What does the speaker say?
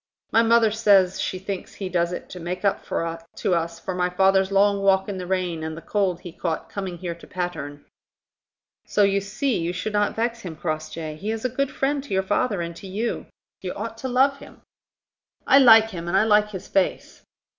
My mother says she thinks he does it to make up to us for my father's long walk in the rain and the cold he caught coming here to Patterne." "So you see you should not vex him, Crossjay. He is a good friend to your father and to you. You ought to love him." "I like him, and I like his face."